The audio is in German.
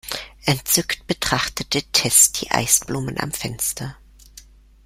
Entzückt betrachtete Tess die Eisblumen am Fenster.